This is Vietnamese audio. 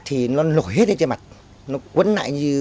thì nó nổi hết trên mặt nó vẫn lại như